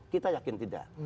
kita yakin tidak